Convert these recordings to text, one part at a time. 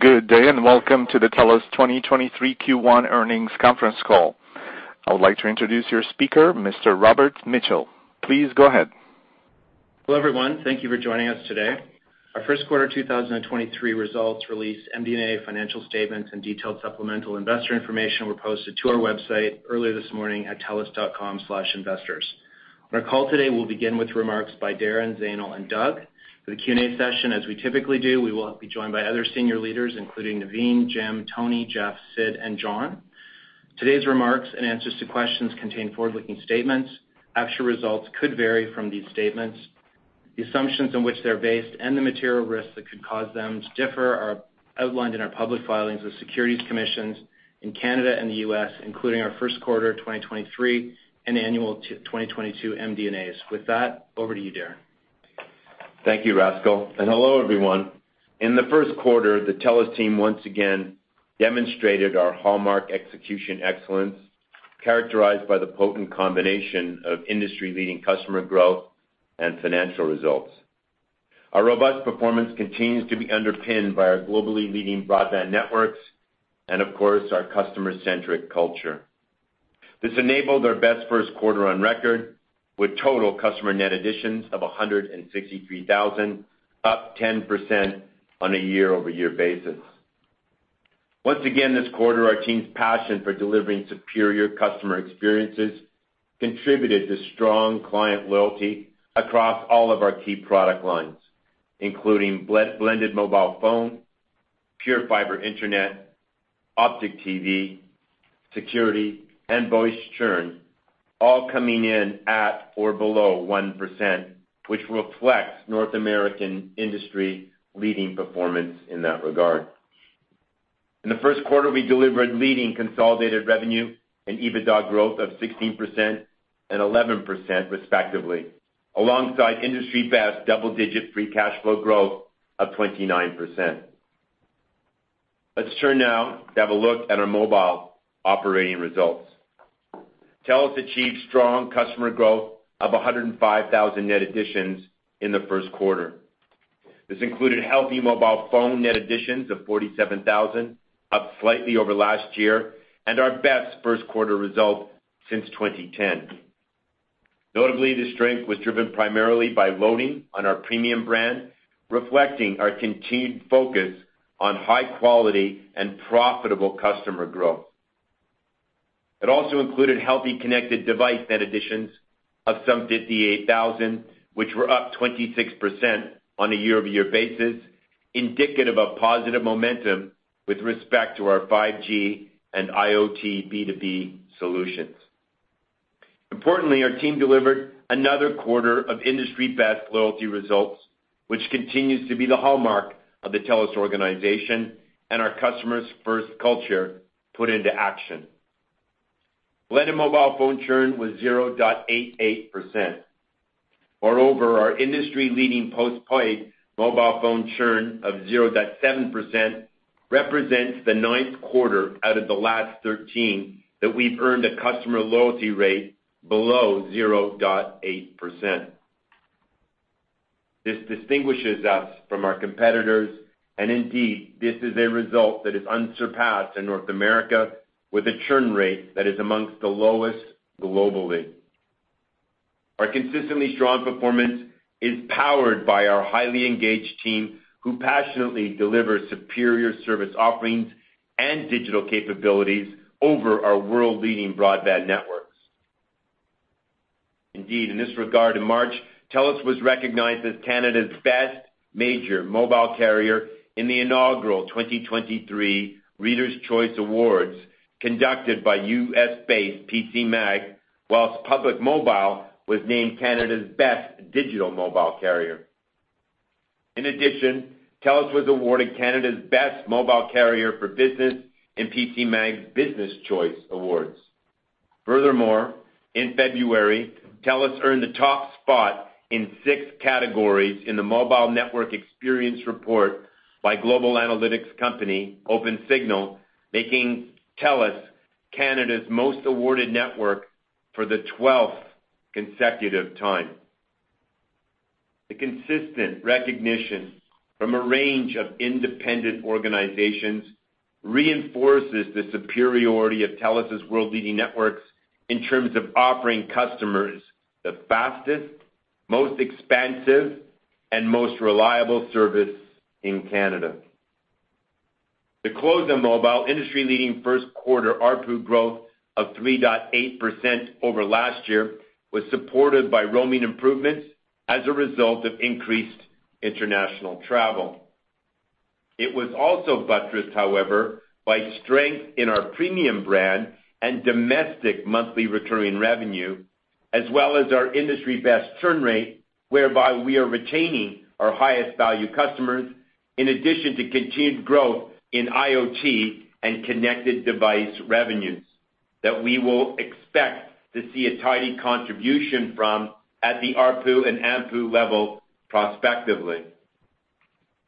Good day, and welcome to the TELUS 2023 Q1 Earnings Conference Call. I would like to introduce your speaker, Mr. Robert Mitchell. Please go ahead. Hello, everyone. Thank you for joining us today. Our first quarter 2023 results release, MD&A financial statements, and detailed supplemental investor information were posted to our website earlier this morning at telus.com/investors. Our call today will begin with remarks by Darren, Zainul, and Doug. For the Q&A session, as we typically do, we will be joined by other senior leaders, including Naveen, Jim, Tony, Jeff, Sid, and John. Today's remarks and answers to questions contain forward-looking statements. Actual results could vary from these statements. The assumptions on which they're based and the material risks that could cause them to differ are outlined in our public filings with securities commissions in Canada and the U.S., including our first Quarter 2023 and Annual 2022 MD&As. With that, over to you, Darren. Thank you, Rob and hello, everyone. In the first quarter, the TELUS team once again demonstrated our hallmark execution excellence, characterized by the potent combination of industry-leading customer growth and financial results. Our robust performance continues to be underpinned by our globally leading broadband networks and, of course, our customer-centric culture. This enabled our best first quarter on record with total customer net additions of 163,000, up 10% on a year-over-year basis. Once again, this quarter, our team's passion for delivering superior customer experiences contributed to strong client loyalty across all of our key product lines, including blended mobile phone, PureFibre internet, Optik TV, security, and voice churn, all coming in at or below 1%, which reflects North American industry-leading performance in that regard. In the first quarter, we delivered leading consolidated revenue and EBITDA growth of 16% and 11% respectively, alongside industry-best double-digit free cash flow growth of 29%. Let's turn now to have a look at our mobile operating results. TELUS achieved strong customer growth of 105,000 net additions in the first quarter. This included healthy mobile phone net additions of 47,000, up slightly over last year, and our best first quarter result since 2010. Notably, the strength was driven primarily by loading on our premium brand, reflecting our continued focus on high quality and profitable customer growth. It also included healthy connected device net additions of some 58,000, which were up 26% on a year-over-year basis, indicative of positive momentum with respect to our 5G and IoT B2B solutions. Importantly, our team delivered another quarter of industry-best loyalty results, which continues to be the hallmark of the TELUS organization and our customer-first culture put into action. Blended mobile phone churn was 0.88%. Moreover, our industry-leading postpaid mobile phone churn of 0.7% represents the ninth quarter out of the last 13 that we've earned a customer loyalty rate below 0.8%. This distinguishes us from our competitors, and indeed, this is a result that is unsurpassed in North America with a churn rate that is amongst the lowest globally. Our consistently strong performance is powered by our highly engaged team, who passionately deliver superior service offerings and digital capabilities over our world-leading broadband networks. Indeed, in this regard, in March, TELUS was recognized as Canada's best major mobile carrier in the inaugural 2023 Readers' Choice Awards conducted by U.S.-based PCMag, while Public Mobile was named Canada's best digital mobile carrier. In addition, TELUS was awarded Canada's best mobile carrier for business in PCMag's Business Choice Awards. Furthermore, in February, TELUS earned the top spot in six categories in the Mobile Network Experience Report by global analytics company, Opensignal, making TELUS Canada's most awarded network for the twelfth consecutive time. The consistent recognition from a range of independent organizations reinforces the superiority of TELUS' world-leading networks in terms of offering customers the fastest, most expansive, and most reliable service in Canada. To close on mobile, industry-leading first quarter ARPU growth of 3.8% year-over-year was supported by roaming improvements as a result of increased international travel. It was also buttressed, however, by strength in our premium brand and domestic monthly recurring revenue, as well as our industry-best churn rate, whereby we are retaining our highest value customers in addition to continued growth in IoT and connected device revenues that we will expect to see a tidy contribution from at the ARPU and AMPU level prospectively.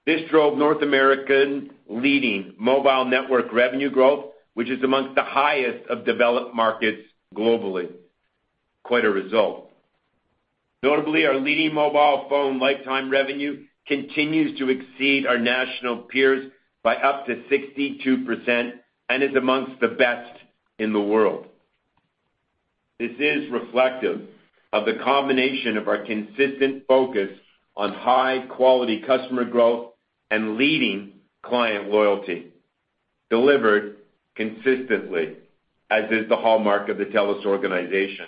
This drove North American leading mobile network revenue growth, which is among the highest of developed markets globally. Quite a result. Notably, our leading mobile phone lifetime revenue continues to exceed our national peers by up to 62% and is among the best in the world. This is reflective of the combination of our consistent focus on high-quality customer growth and leading client loyalty delivered consistently, as is the hallmark of the TELUS organization.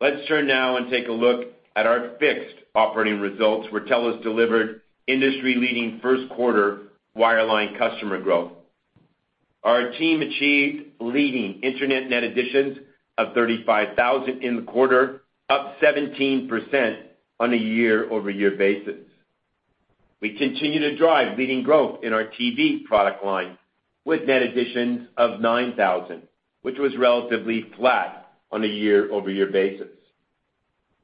Let's turn now and take a look at our fixed operating results, where TELUS delivered industry-leading first quarter wireline customer growth. Our team achieved leading internet net additions of 35,000 in the quarter, up 17% on a year-over-year basis. We continue to drive leading growth in our TV product line with net additions of 9,000, which was relatively flat on a year-over-year basis.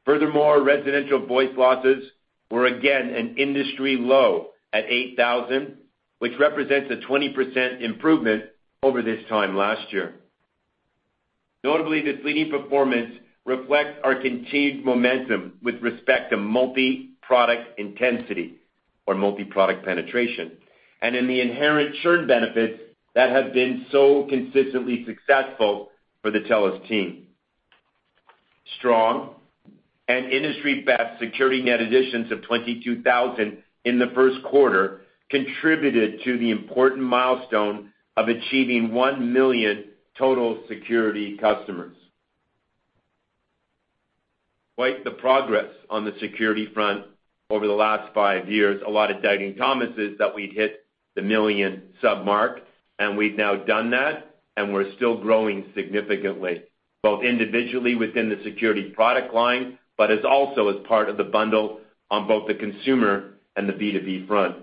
Furthermore, residential voice losses were again an industry low at 8,000, which represents a 20% improvement over this time last year. Notably, this leading performance reflects our continued momentum with respect to multi-product intensity or multi-product penetration and in the inherent churn benefits that have been so consistently successful for the TELUS team. Strong and industry-best security net additions of 22,000 in the first quarter contributed to the important milestone of achieving 1 million total security customers. Quite the progress on the security front over the last five years. A lot of Doubting Thomases that we'd hit the 1 million sub mark, and we've now done that, and we're still growing significantly, both individually within the security product line, but also as part of the bundle on both the consumer and the B2B front.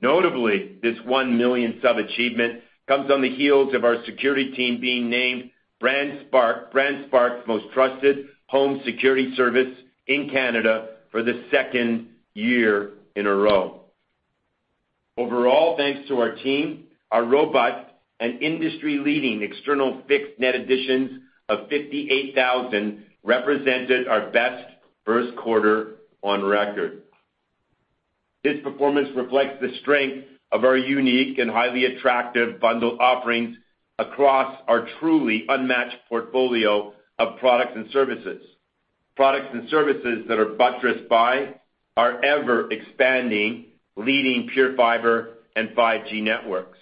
Notably, this 1 million sub achievement comes on the heels of our security team being named BrandSpark's Most Trusted home security service in Canada for the second year in a row. Overall, thanks to our team, our robust and industry-leading external fixed net additions of 58,000 represented our best first quarter on record. This performance reflects the strength of our unique and highly attractive bundle offerings across our truly unmatched portfolio of products and services. Products and services that are buttressed by our ever-expanding leading PureFibre and 5G networks.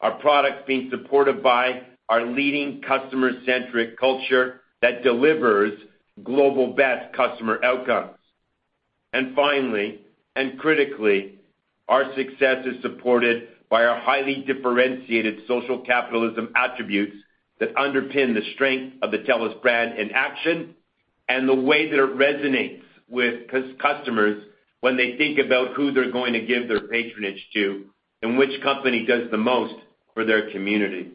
Our products being supported by our leading customer-centric culture that delivers global best customer outcomes. Finally, and critically, our success is supported by our highly differentiated social capitalism attributes that underpin the strength of the TELUS brand in action, and the way that it resonates with customers when they think about who they're going to give their patronage to, and which company does the most for their community.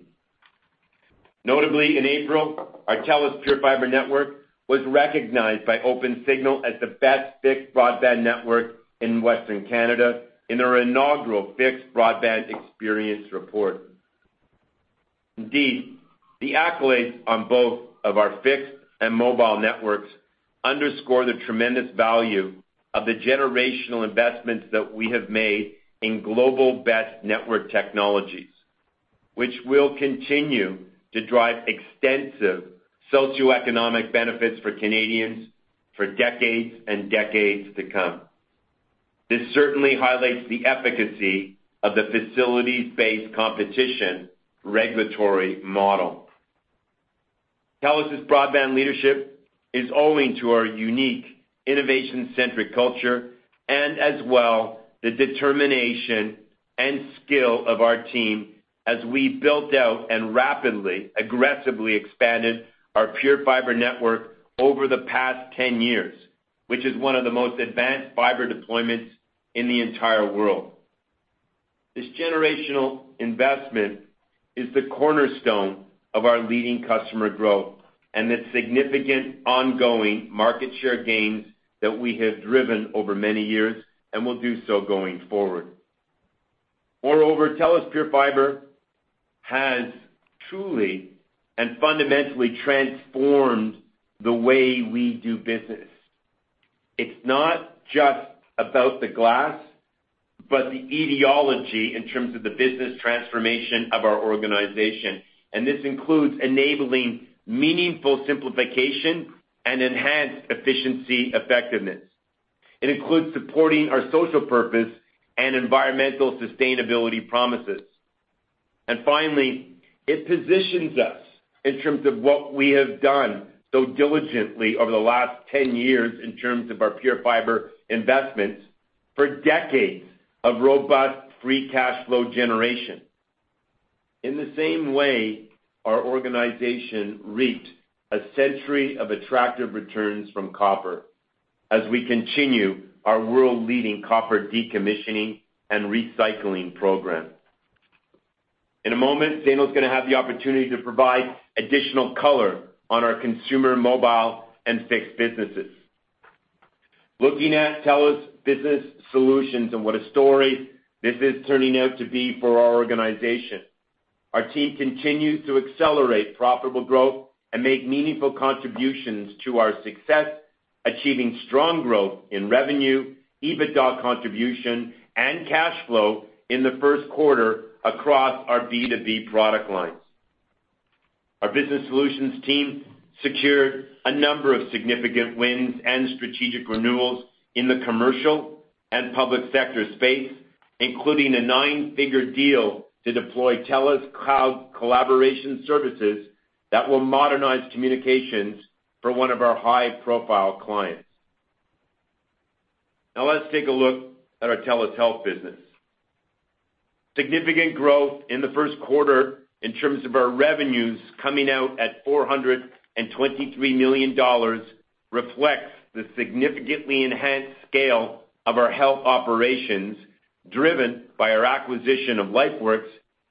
Notably, in April, our TELUS PureFibre network was recognized by Opensignal as the best fixed broadband network in Western Canada in their inaugural Fixed Broadband Experience Report. Indeed, the accolades on both of our fixed and mobile networks underscore the tremendous value of the generational investments that we have made in global best network technologies, which will continue to drive extensive socioeconomic benefits for Canadians for decades and decades to come. This certainly highlights the efficacy of the facilities-based competition regulatory model. TELUS's broadband leadership is owing to our unique innovation-centric culture and as well, the determination and skill of our team as we built out and rapidly, aggressively expanded our PureFibre network over the past 10 years, which is one of the most advanced fiber deployments in the entire world. This generational investment is the cornerstone of our leading customer growth and the significant ongoing market share gains that we have driven over many years and will do so going forward. Moreover, TELUS PureFibre has truly and fundamentally transformed the way we do business. It's not just about the glass, but the ideology in terms of the business transformation of our organization. This includes enabling meaningful simplification and enhanced efficiency effectiveness. It includes supporting our social purpose and environmental sustainability promises. Finally, it positions us in terms of what we have done so diligently over the last 10 years in terms of our PureFibre investments for decades of robust free cash flow generation. In the same way, our organization reaped a century of attractive returns from copper as we continue our world-leading copper decommissioning and recycling program. In a moment, Zainul is going to have the opportunity to provide additional color on our consumer mobile and fixed businesses. Looking at TELUS Business Solutions and what a story this is turning out to be for our organization. Our team continues to accelerate profitable growth and make meaningful contributions to our success, achieving strong growth in revenue, EBITDA contribution, and cash flow in the first quarter across our B2B product lines. Our business solutions team secured a number of significant wins and strategic renewals in the commercial and public sector space, including a nine-figure deal to deploy TELUS Cloud Collaboration services that will modernize communications for one of our high-profile clients. Now let's take a look at our TELUS Health business. Significant growth in the first quarter in terms of our revenues coming out at 423 million dollars reflects the significantly enhanced scale of our health operations, driven by our acquisition of LifeWorks,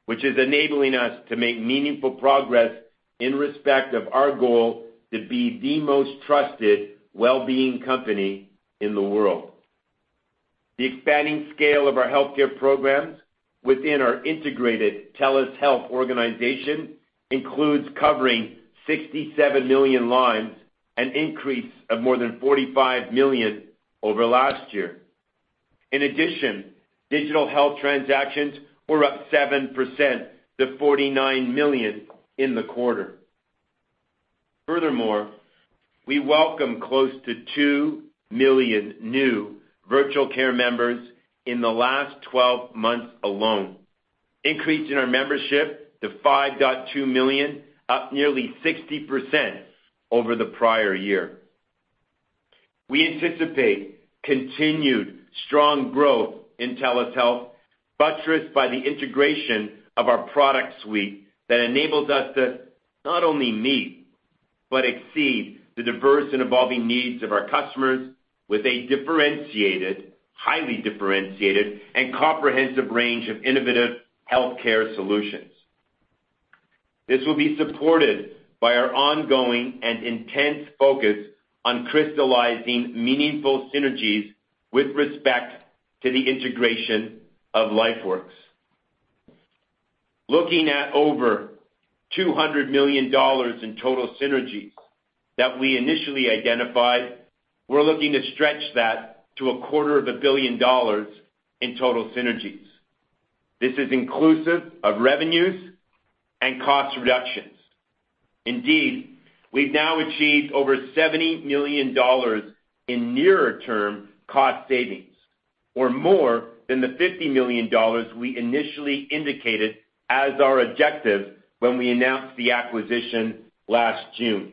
which is enabling us to make meaningful progress in respect of our goal to be the most trusted wellbeing company in the world. The expanding scale of our healthcare programs within our integrated TELUS Health organization includes covering 67 million lines, an increase of more than 45 million over last year. In addition, digital health transactions were up 7% to 49 million in the quarter. Furthermore, we welcome close to 2 million new virtual care members in the last twelve months alone, increasing our membership to 5.2 million, up nearly 60% over the prior year. We anticipate continued strong growth in TELUS Health, buttressed by the integration of our product suite that enables us to not only meet but exceed the diverse and evolving needs of our customers with a differentiated, highly differentiated, and comprehensive range of innovative healthcare solutions. This will be supported by our ongoing and intense focus on crystallizing meaningful synergies with respect to the integration of LifeWorks. Looking at over 200 million dollars in total synergies that we initially identified, we're looking to stretch that to 250 million dollars in total synergies. This is inclusive of revenues and cost reductions. Indeed, we've now achieved over 70 million dollars in near-term cost savings or more than the 50 million dollars we initially indicated as our objective when we announced the acquisition last June.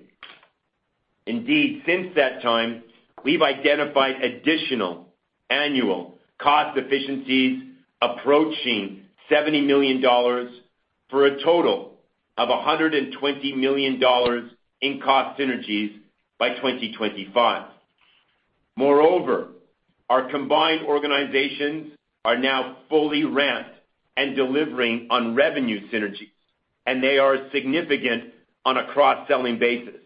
Indeed, since that time, we've identified additional annual cost efficiencies approaching 70 million dollars for a total of 120 million dollars in cost synergies by 2025. Moreover, our combined organizations are now fully ramped and delivering on revenue synergies, and they are significant on a cross-selling basis,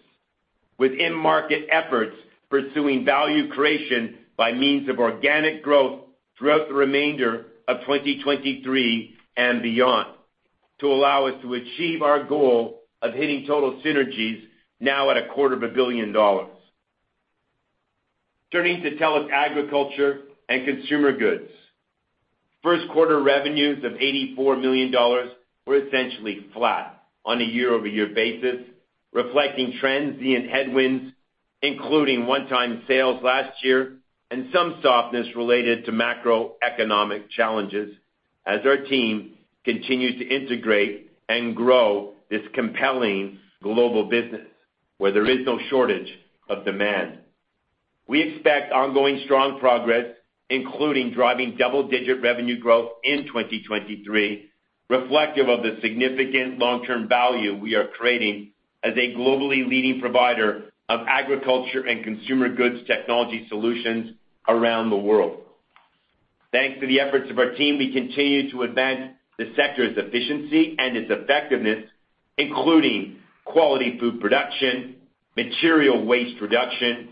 with in-market efforts pursuing value creation by means of organic growth throughout the remainder of 2023 and beyond to allow us to achieve our goal of hitting total synergies now at 250 million dollars. Turning to TELUS Agriculture & Consumer Goods. First quarter revenues of 84 million dollars were essentially flat on a year-over-year basis, reflecting transient headwinds, including one-time sales last year and some softness related to macroeconomic challenges as our team continued to integrate and grow this compelling global business where there is no shortage of demand. We expect ongoing strong progress, including driving double-digit revenue growth in 2023, reflective of the significant long-term value we are creating as a globally leading provider of agriculture and consumer goods technology solutions around the world. Thanks to the efforts of our team, we continue to advance the sector's efficiency and its effectiveness, including quality food production, material waste reduction,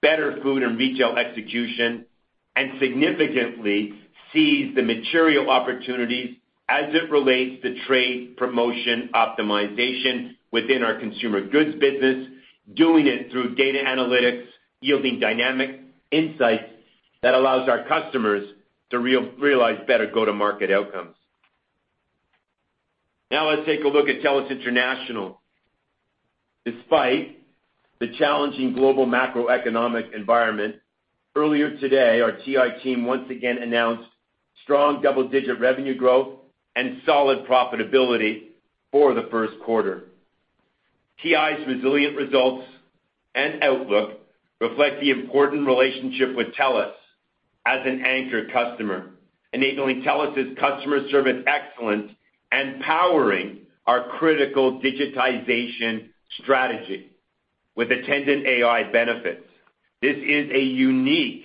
better food and retail execution, and significantly seize the material opportunities as it relates to trade promotion optimization within our consumer goods business, doing it through data analytics, yielding dynamic insights that allows our customers to realize better go-to-market outcomes. Now let's take a look at TELUS International. Despite the challenging global macroeconomic environment, earlier today, our TI team once again announced strong double-digit revenue growth and solid profitability for the first quarter. TI's resilient results and outlook reflect the important relationship with TELUS as an anchor customer, enabling TELUS' customer service excellence and powering our critical digitization strategy with attendant AI benefits. This is a unique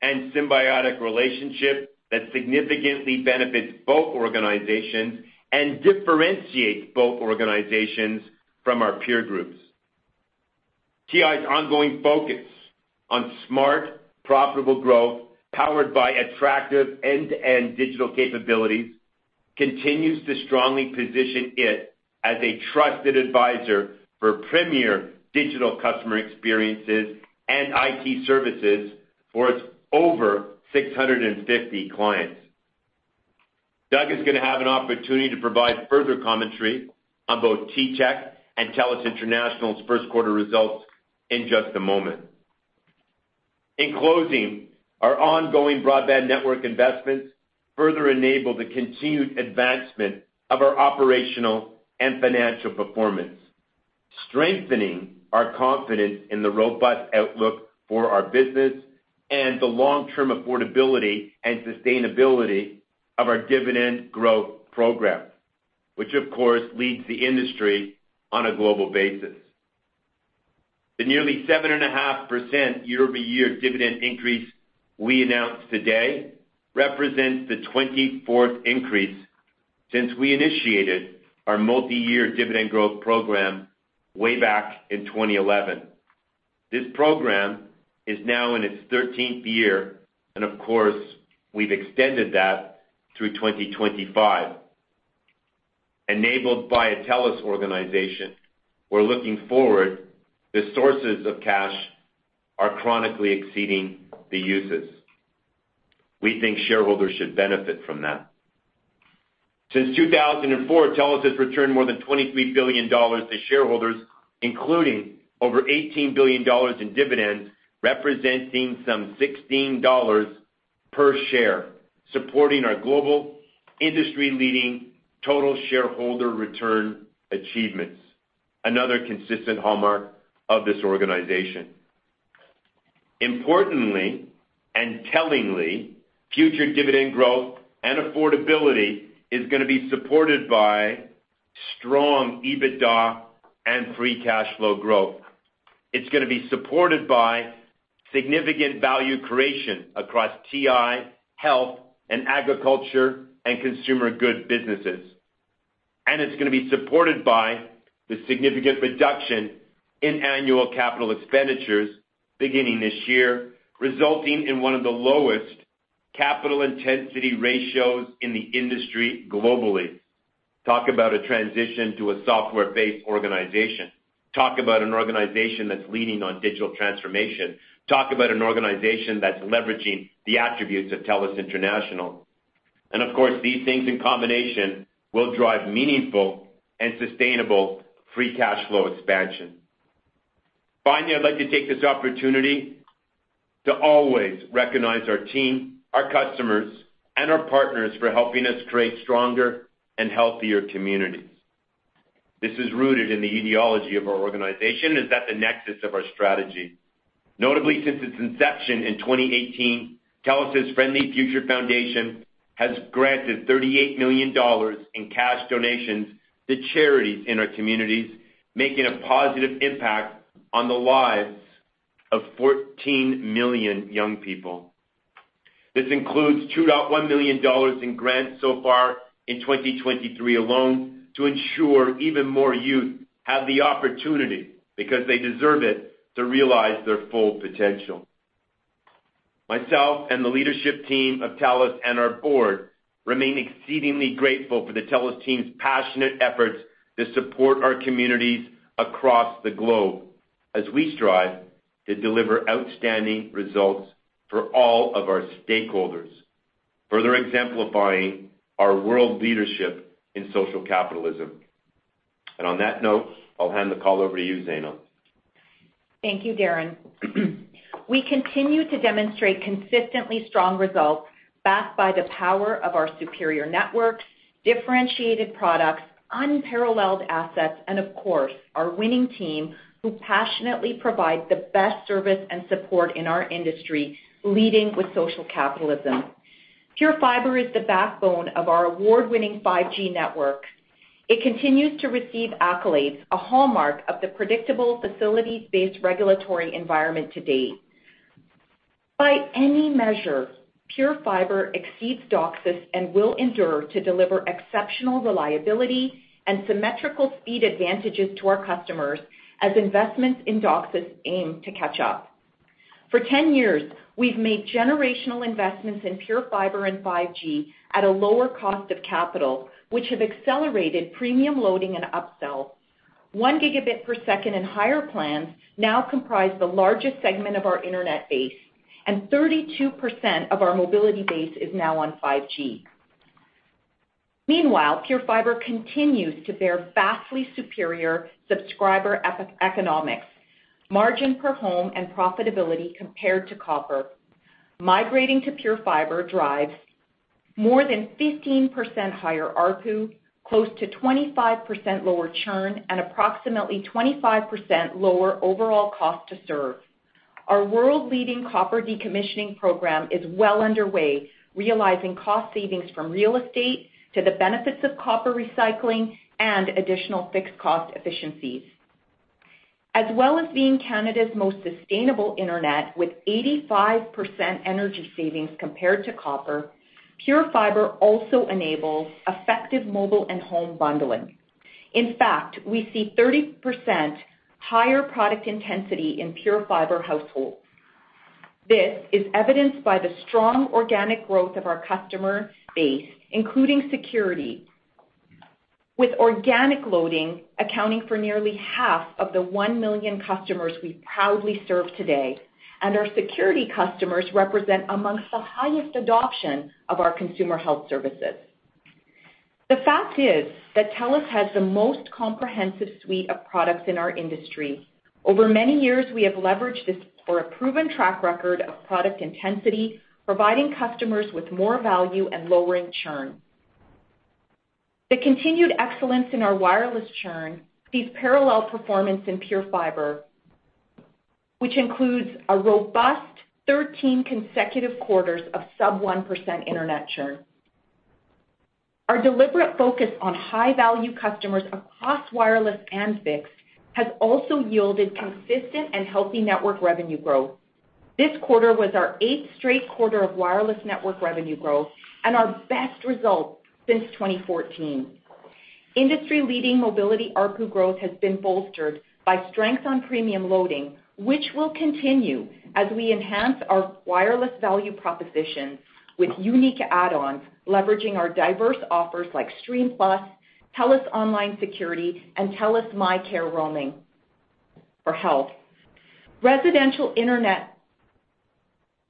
and symbiotic relationship that significantly benefits both organizations and differentiates both organizations from our peer groups. TI's ongoing focus on smart, profitable growth powered by attractive end-to-end digital capabilities continues to strongly position it as a trusted advisor for premier digital customer experiences and IT services for its over 650 clients. Doug is going to have an opportunity to provide further commentary on both TTech and TELUS International's first quarter results in just a moment. In closing, our ongoing broadband network investments further enable the continued advancement of our operational and financial performance, strengthening our confidence in the robust outlook for our business and the long-term affordability and sustainability of our dividend growth program, which of course leads the industry on a global basis. The nearly 7.5% year-over-year dividend increase we announced today represents the 24th increase since we initiated our multi-year dividend growth program way back in 2011. This program is now in its 13th year, and of course, we've extended that through 2025. Enabled by a TELUS organization, we're looking forward, the sources of cash are consistently exceeding the uses. We think shareholders should benefit from that. Since 2004, TELUS has returned more than 23 billion dollars to shareholders, including over 18 billion dollars in dividends, representing some 16 dollars per share, supporting our global industry-leading total shareholder return achievements, another consistent hallmark of this organization. Importantly and tellingly, future dividend growth and affordability is going to be supported by strong EBITDA and free cash flow growth. It's going to be supported by significant value creation across TI, health and agriculture, and consumer goods businesses. It's going to be supported by the significant reduction in annual capital expenditures beginning this year, resulting in one of the lowest capital intensity ratios in the industry globally. Talk about a transition to a software-based organization. Talk about an organization that's leading on digital transformation. Talk about an organization that's leveraging the attributes of TELUS International. Of course, these things in combination will drive meaningful and sustainable free cash flow expansion. Finally, I'd like to take this opportunity to always recognize our team, our customers, and our partners for helping us create stronger and healthier communities. This is rooted in the ideology of our organization. It's at the nexus of our strategy. Notably, since its inception in 2018, TELUS Friendly Future Foundation has granted 38 million dollars in cash donations to charities in our communities, making a positive impact on the lives of 14 million young people. This includes 2.1 million dollars in grants so far in 2023 alone to ensure even more youth have the opportunity, because they deserve it, to realize their full potential. Myself and the leadership team of TELUS and our board remain exceedingly grateful for the TELUS team's passionate efforts to support our communities across the globe as we strive to deliver outstanding results for all of our stakeholders, further exemplifying our world leadership in social capitalism. On that note, I'll hand the call over to you, Zainul. Thank you, Darren. We continue to demonstrate consistently strong results backed by the power of our superior networks, differentiated products, unparalleled assets, and of course, our winning team who passionately provide the best service and support in our industry, leading with social capitalism. PureFibre is the backbone of our award-winning 5G network. It continues to receive accolades, a hallmark of the predictable facilities-based regulatory environment to date. By any measure, PureFibre exceeds DOCSIS and will endure to deliver exceptional reliability and symmetrical speed advantages to our customers as investments in DOCSIS aim to catch up. For 10 years, we've made generational investments in PureFibre and 5G at a lower cost of capital, which have accelerated premium loading and upsell. 1 gigabit per second and higher plans now comprise the largest segment of our internet base, and 32% of our mobility base is now on 5G. Meanwhile, PureFibre continues to bear vastly superior subscriber economics, margin per home, and profitability compared to copper. Migrating to PureFibre drives more than 15% higher ARPU, close to 25% lower churn, and approximately 25% lower overall cost to serve. Our world-leading copper decommissioning program is well underway, realizing cost savings from real estate to the benefits of copper recycling and additional fixed cost efficiencies. As well as being Canada's most sustainable internet with 85% energy savings compared to copper, PureFibre also enables effective mobile and home bundling. In fact, we see 30% higher product intensity in PureFibre households. This is evidenced by the strong organic growth of our customer base, including security. With organic loading accounting for nearly half of the 1 million customers we proudly serve today. Our security customers represent amongst the highest adoption of our consumer health services. The fact is that TELUS has the most comprehensive suite of products in our industry. Over many years, we have leveraged this for a proven track record of product intensity, providing customers with more value and lowering churn. The continued excellence in our wireless churn sees parallel performance in PureFibre, which includes a robust 13 consecutive quarters of sub 1% internet churn. Our deliberate focus on high-value customers across wireless and fixed has also yielded consistent and healthy network revenue growth. This quarter was our eighth straight quarter of wireless network revenue growth and our best result since 2014. Industry-leading mobility ARPU growth has been bolstered by strength on premium loading, which will continue as we enhance our wireless value proposition with unique add-ons, leveraging our diverse offers like Stream+, TELUS Online Security, and TELUS Health MyCare Travel. Residential internet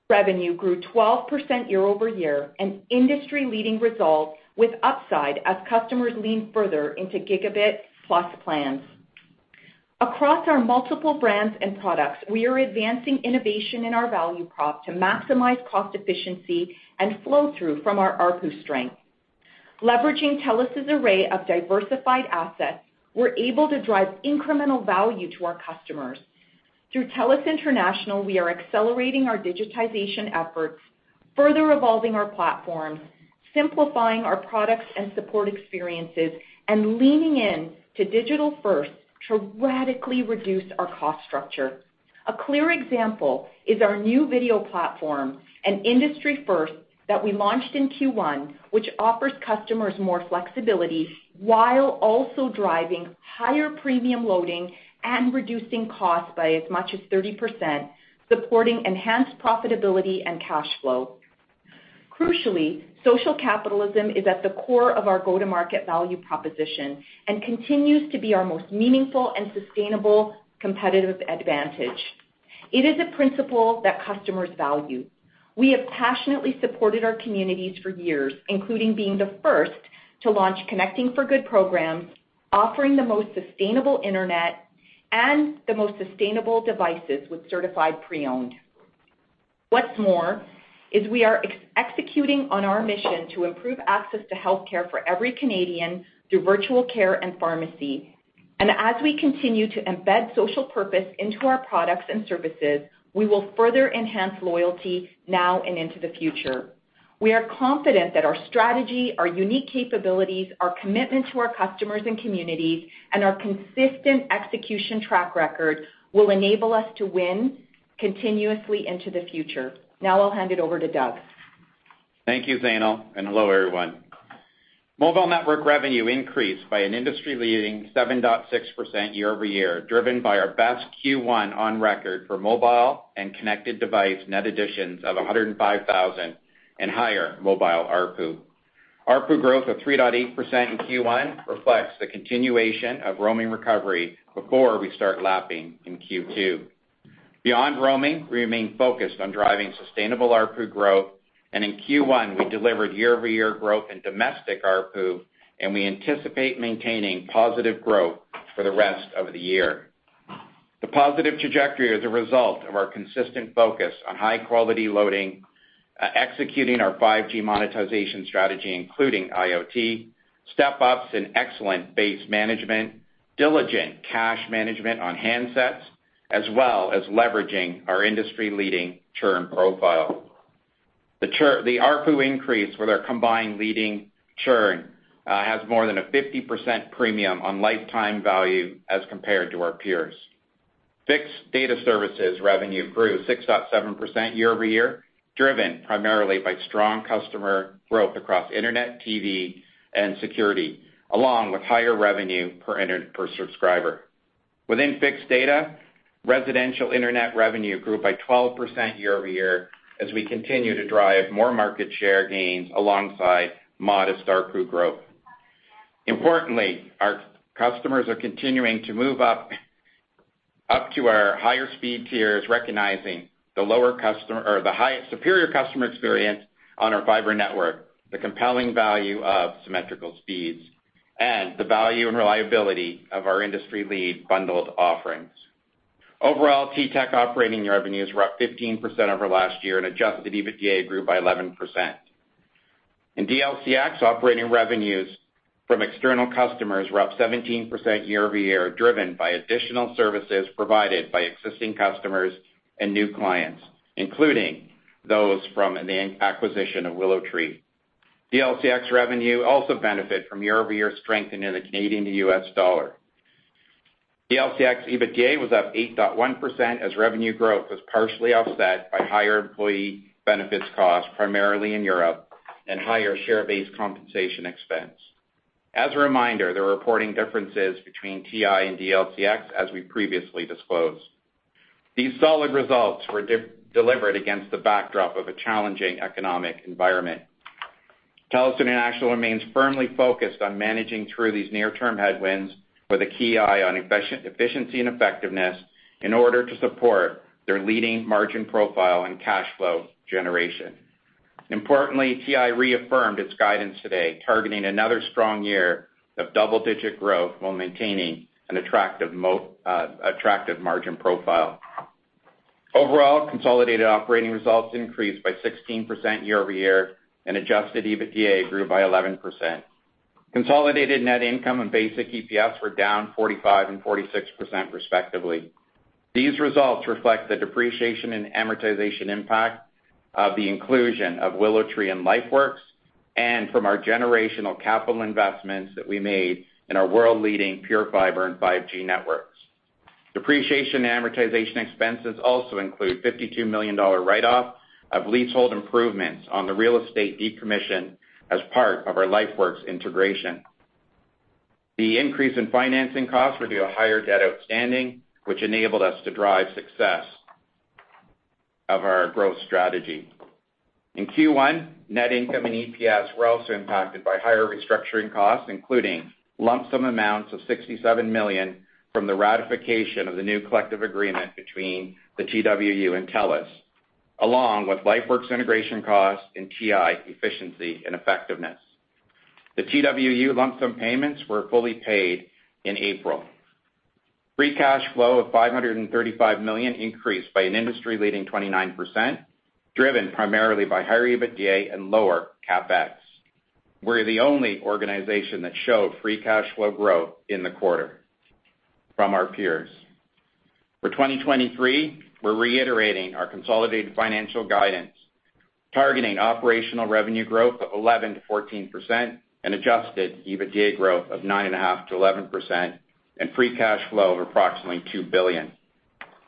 revenue grew 12% year-over-year, an industry-leading result with upside as customers lean further into gigabit plus plans. Across our multiple brands and products, we are advancing innovation in our value prop to maximize cost efficiency and flow through from our ARPU strength. Leveraging TELUS's array of diversified assets, we're able to drive incremental value to our customers. Through TELUS International, we are accelerating our digitization efforts, further evolving our platforms, simplifying our products and support experiences, and leaning into digital first to radically reduce our cost structure. A clear example is our new video platform, an industry first that we launched in Q1, which offers customers more flexibility while also driving higher premium loading and reducing costs by as much as 30%, supporting enhanced profitability and cash flow. Crucially, social capitalism is at the core of our go-to-market value proposition and continues to be our most meaningful and sustainable competitive advantage. It is a principle that customers value. We have passionately supported our communities for years, including being the first to launch Connecting for Good programs, offering the most sustainable internet, and the most sustainable devices with Certified Pre-Owned. What's more is we are executing on our mission to improve access to healthcare for every Canadian through virtual care and pharmacy. As we continue to embed social purpose into our products and services, we will further enhance loyalty now and into the future. We are confident that our strategy, our unique capabilities, our commitment to our customers and communities, and our consistent execution track record will enable us to win continuously into the future. Now I'll hand it over to Doug. Thank you, Zainul, and hello everyone. Mobile network revenue increased by an industry-leading 7.6% year-over-year, driven by our best Q1 on record for mobile and connected device net additions of 105,000 and higher mobile ARPU. ARPU growth of 3.8% in Q1 reflects the continuation of roaming recovery before we start lapping in Q2. Beyond roaming, we remain focused on driving sustainable ARPU growth, and in Q1, we delivered year-over-year growth in domestic ARPU, and we anticipate maintaining positive growth for the rest of the year. The positive trajectory is a result of our consistent focus on high-quality loading, executing our 5G monetization strategy, including IoT, step-ups and excellent base management, diligent cash management on handsets, as well as leveraging our industry-leading churn profile. The ARPU increase with our combined leading churn has more than a 50% premium on lifetime value as compared to our peers. Fixed data services revenue grew 6.7% year-over-year, driven primarily by strong customer growth across internet, TV, and security, along with higher revenue per subscriber. Within fixed data, residential internet revenue grew by 12% year-over-year as we continue to drive more market share gains alongside modest ARPU growth. Importantly, our customers are continuing to move up to our higher speed tiers, recognizing the superior customer experience on our fiber network, the compelling value of symmetrical speeds, and the value and reliability of our industry-leading bundled offerings. Overall, TTech operating revenues were up 15% over last year and adjusted EBITDA grew by 11%. In DLCX, operating revenues from external customers were up 17% year-over-year, driven by additional services provided by existing customers and new clients, including those from the acquisition of WillowTree. DLCX revenue also benefit from year-over-year strengthening in the Canadian to U.S. dollar. DLCX EBITDA was up 8.1% as revenue growth was partially offset by higher employee benefits costs, primarily in Europe, and higher share-based compensation expense. As a reminder, there are reporting differences between TI and DLCX as we previously disclosed. These solid results were delivered against the backdrop of a challenging economic environment. TELUS International remains firmly focused on managing through these near-term headwinds with a key eye on efficiency and effectiveness in order to support their leading margin profile and cash flow generation. Importantly, TI reaffirmed its guidance today, targeting another strong year of double-digit growth while maintaining an attractive margin profile. Overall, consolidated operating results increased by 16% year-over-year, and adjusted EBITDA grew by 11%. Consolidated net income and basic EPS were down 45% and 46% respectively. These results reflect the depreciation and amortization impact of the inclusion of WillowTree and LifeWorks, and from our generational capital investments that we made in our world-leading PureFibre and 5G networks. Depreciation and amortization expenses also include 52 million dollar write-off of leasehold improvements on the real estate decommission as part of our LifeWorks integration. The increase in financing costs were due to higher debt outstanding, which enabled us to drive success of our growth strategy. In Q1, net income and EPS were also impacted by higher restructuring costs, including lump sum amounts of 67 million from the ratification of the new collective agreement between the TWU and TELUS, along with LifeWorks integration costs and TI efficiency and effectiveness. The TWU lump sum payments were fully paid in April. Free cash flow of 535 million increased by an industry-leading 29%, driven primarily by higher EBITDA and lower CapEx. We're the only organization that showed free cash flow growth in the quarter from our peers. For 2023, we're reiterating our consolidated financial guidance, targeting operational revenue growth of 11%-14% and adjusted EBITDA growth of 9.5%-11%, and free cash flow of approximately 2 billion.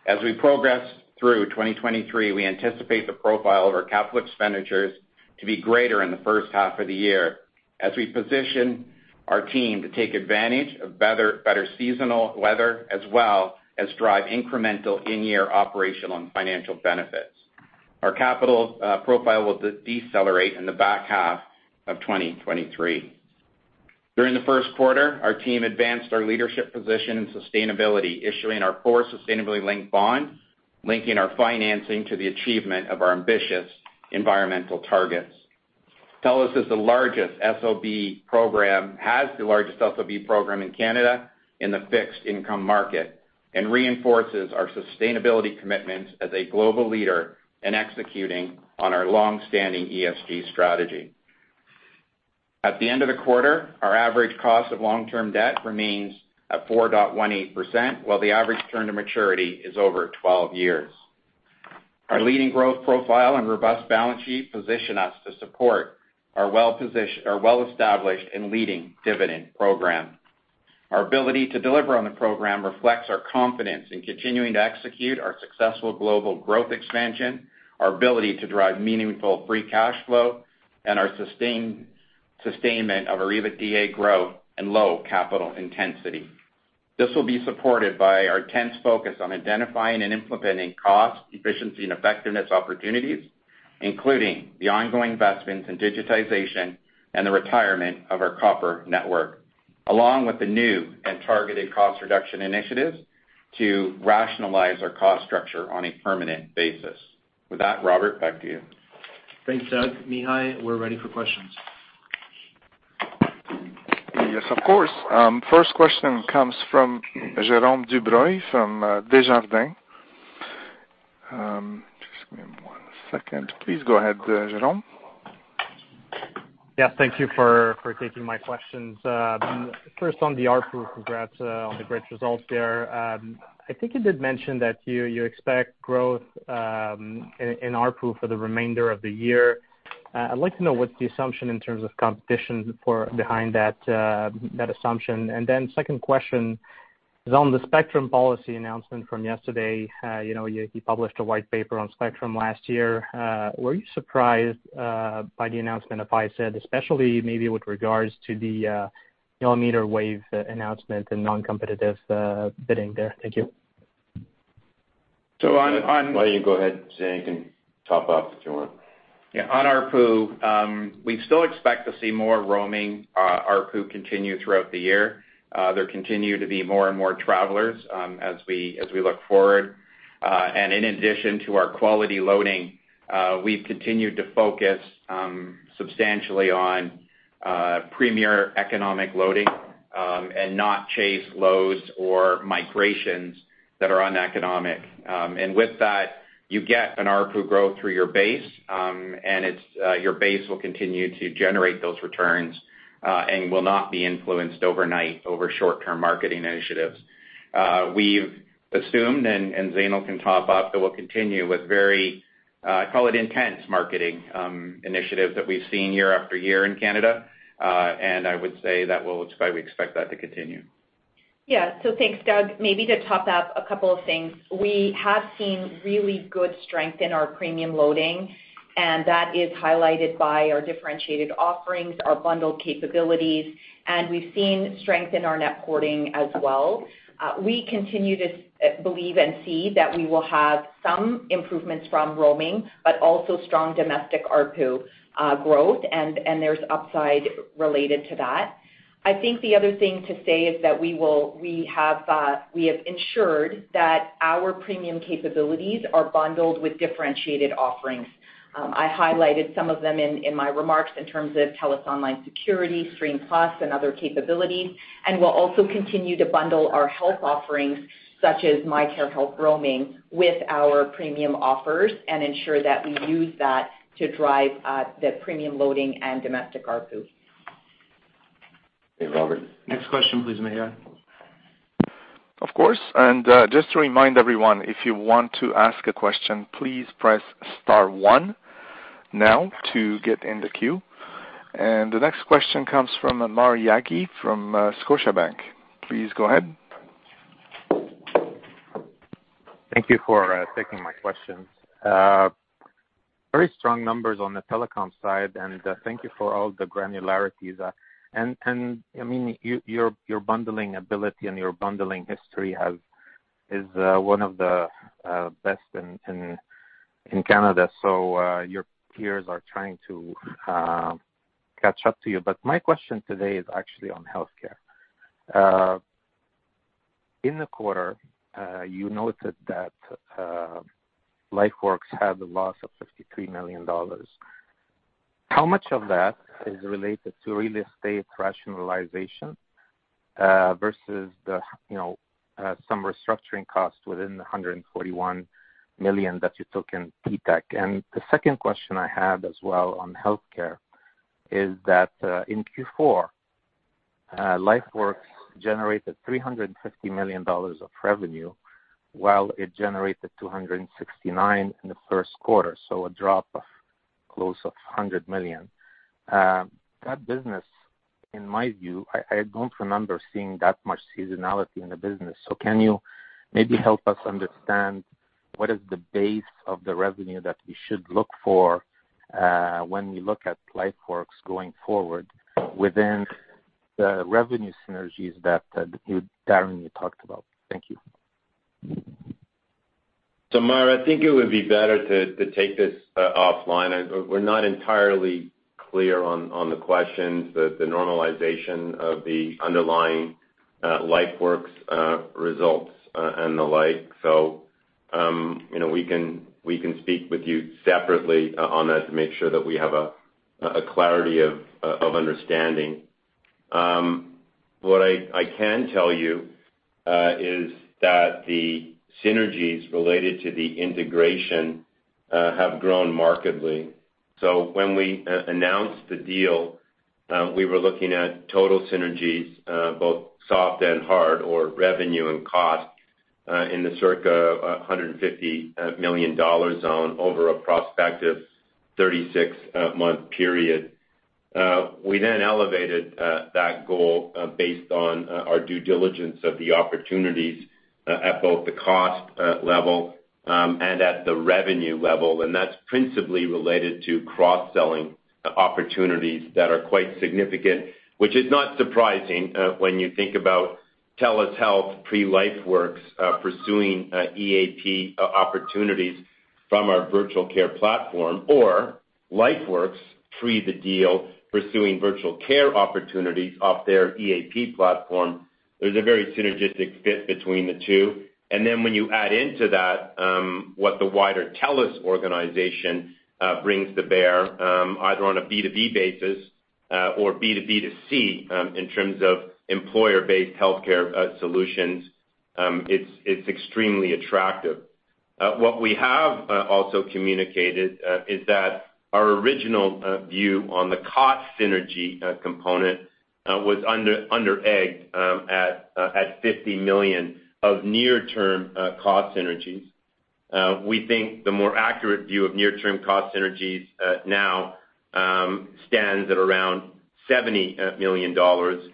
As we progress through 2023, we anticipate the profile of our capital expenditures to be greater in the first half of the year as we position our team to take advantage of better seasonal weather, as well as drive incremental in-year operational and financial benefits. Our capital profile will decelerate in the back half of 2023. During the first quarter, our team advanced our leadership position in sustainability, issuing our core sustainability-linked bond, linking our financing to the achievement of our ambitious environmental targets. TELUS has the largest SLB program in Canada in the fixed income market, and reinforces our sustainability commitments as a global leader in executing on our long-standing ESG strategy. At the end of the quarter, our average cost of long-term debt remains at 4.18%, while the average term to maturity is over 12 years. Our leading growth profile and robust balance sheet position us to support our well-established and leading dividend program. Our ability to deliver on the program reflects our confidence in continuing to execute our successful global growth expansion, our ability to drive meaningful free cash flow, and our sustainment of our EBITDA growth and low capital intensity. This will be supported by our intense focus on identifying and implementing cost efficiency and effectiveness opportunities, including the ongoing investments in digitization and the retirement of our copper network, along with the new and targeted cost reduction initiatives to rationalize our cost structure on a permanent basis. With that, Robert, back to you. Thanks, Doug. Mihai, we're ready for questions. Yes, of course. First question comes from Jérôme Dubreuil from Desjardins. Just give me one second. Please go ahead, Jérôme. Thank you for taking my questions. First on the ARPU, congrats on the great results there. I think you did mention that you expect growth in ARPU for the remainder of the year. I'd like to know what's the assumption in terms of competition behind that assumption. Second question is on the spectrum policy announcement from yesterday. You know, you published a white paper on spectrum last year. Were you surprised by the announcement of ISED, especially maybe with regards to the millimeter wave announcement and non-competitive bidding there? Thank you. So on... Doug, why don't you go ahead, Zain, you can top off if you want. Yeah. On ARPU, we still expect to see more roaming ARPU continue throughout the year. There continue to be more and more travelers as we look forward. In addition to our quality loading, we've continued to focus substantially on premier economic loading and not chase loads or migrations that are uneconomic. With that, you get an ARPU growth through your base and it's, your base will continue to generate those returns, and will not be influenced overnight over short-term marketing initiatives. We've assumed, and Zainul can top up, that we'll continue with very, I call it intense marketing, initiatives that we've seen year after year in Canada. I would say that we expect that to continue. Thanks, Doug. Maybe to top up a couple of things. We have seen really good strength in our premium loading, and that is highlighted by our differentiated offerings, our bundled capabilities, and we've seen strength in our net porting as well. We continue to believe and see that we will have some improvements from roaming, but also strong domestic ARPU growth, and there's upside related to that. I think the other thing to say is that we have ensured that our premium capabilities are bundled with differentiated offerings. I highlighted some of them in my remarks in terms of TELUS Online Security, Stream+, and other capabilities. We'll also continue to bundle our health offerings such as MyCare Travel with our premium offers and ensure that we use that to drive the premium loading and domestic ARPU. Okay, Robert. Next question, please, Mihai. Of course. Just to remind everyone, if you want to ask a question, please press star one now to get in the queue. The next question comes from Maher Yaghi from Scotiabank. Please go ahead. Thank you for taking my questions. Very strong numbers on the telecom side, and thank you for all the granularities. I mean, your bundling ability and your bundling history is one of the best in Canada. Your peers are trying to catch up to you. My question today is actually on healthcare. In the quarter, you noted that LifeWorks had a loss of 53 million dollars. How much of that is related to real estate rationalization versus the, you know, some restructuring costs within the 141 million that you took in [TTech]? The second question I had as well on healthcare is that, in Q4, LifeWorks generated 350 million dollars of revenue, while it generated 269 million in the first quarter, so a drop of close to 100 million. That business, in my view, I don't remember seeing that much seasonality in the business. Can you maybe help us understand what is the base of the revenue that we should look for, when we look at LifeWorks going forward within the revenue synergies that you—Darren, you talked about? Thank you. Maher, I think it would be better to take this offline. We're not entirely clear on the questions, the normalization of the underlying LifeWorks results, and the like. You know, we can speak with you separately on that to make sure that we have a clarity of understanding. What I can tell you is that the synergies related to the integration have grown markedly. When we announced the deal, we were looking at total synergies, both soft and hard, or revenue and cost, in the circa 150 million dollars zone over a prospective 36-month period. We then elevated that goal based on our due diligence of the opportunities at both the cost level and at the revenue level. That's principally related to cross-selling opportunities that are quite significant, which is not surprising when you think about TELUS Health pre-LifeWorks pursuing EAP opportunities from our virtual care platform or LifeWorks pre the deal pursuing virtual care opportunities off their EAP platform. There's a very synergistic fit between the two. Then when you add into that what the wider TELUS organization brings to bear either on a B2B basis or B2B2C in terms of employer-based healthcare solutions, it's extremely attractive. What we have also communicated is that our original view on the cost synergy component was under-egged at 50 million of near-term cost synergies. We think the more accurate view of near-term cost synergies now stands at around 70 million dollars.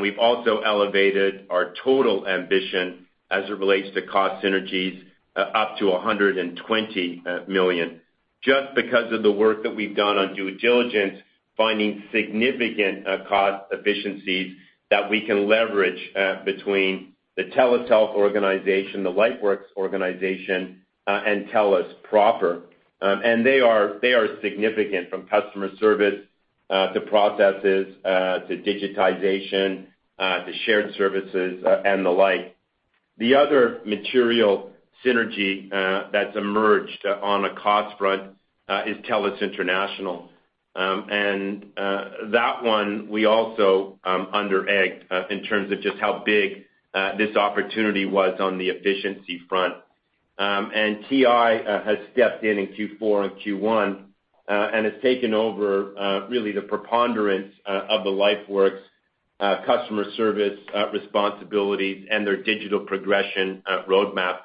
We've also elevated our total ambition as it relates to cost synergies up to 120 million, just because of the work that we've done on due diligence, finding significant cost efficiencies that we can leverage between the TELUS Health organization, the LifeWorks organization, and TELUS proper. They are significant from customer service to processes to digitization to shared services and the like. The other material synergy that's emerged on a cost front is TELUS International. That one, we also underegged in terms of just how big this opportunity was on the efficiency front. TI has stepped in in Q4 and Q1 and has taken over really the preponderance of the LifeWorks customer service responsibilities and their digital progression roadmap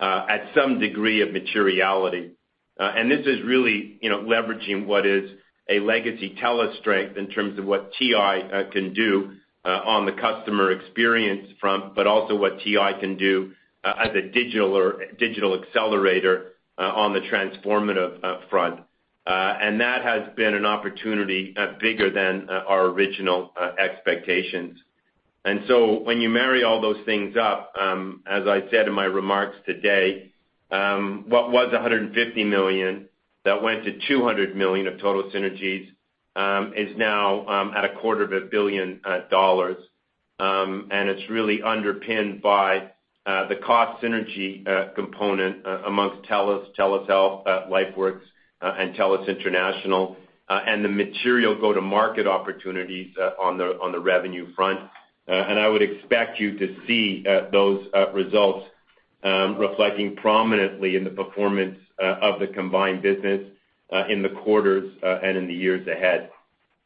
at some degree of materiality. This is really, you know, leveraging what is a legacy TELUS strength in terms of what TI can do on the customer experience front, but also what TI can do as a digital accelerator on the transformative front. That has been an opportunity bigger than our original expectations. When you marry all those things up, as I said in my remarks today, what was 150 million that went to 200 million of total synergies is now at 250 million dollars. It's really underpinned by the cost synergy component amongst TELUS Health, LifeWorks, and TELUS International and the material go-to-market opportunities on the revenue front. I would expect you to see those results reflecting prominently in the performance of the combined business in the quarters and in the years ahead.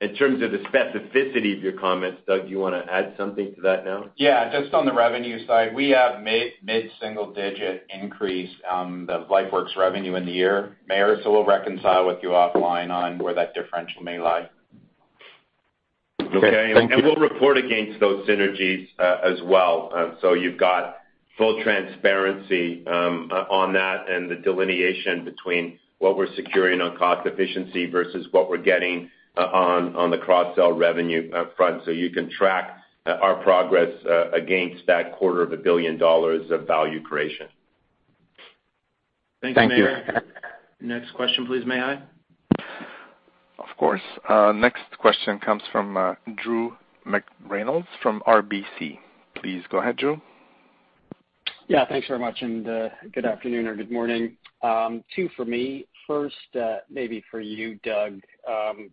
In terms of the specificity of your comments, Doug, do you wanna add something to that now? Yeah. Just on the revenue side, we have mid-single digit increase on the LifeWorks revenue in the year. Maher, so we'll reconcile with you offline on where that differential may lie. Okay. Okay. Thank you. We'll report against those synergies, as well. You've got full transparency, on that and the delineation between what we're securing on cost efficiency versus what we're getting, on the cross-sell revenue up front, so you can track our progress against that 250 million dollars of value creation. Thank you. Thank you, Maher. Next question, please, Mihai. Of course. Next question comes from Drew McReynolds from RBC. Please go ahead, Drew. Yeah, thanks very much. Good afternoon or good morning. Two for me. First, maybe for you, Doug,